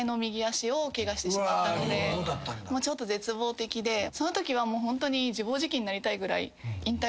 ちょっと絶望的でそのときはホントに自暴自棄になりたいぐらい。